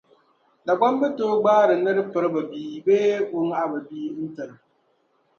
Dagbamba tooi gbaari nir’ piriba bii bee o ŋahiba bia, n-tir’...